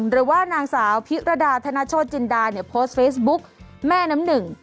หรือว่านางสาวพิรดาธนโชธจินดาเนี่ยโพสต์เฟซบุ๊กแม่น้ำหนึ่ง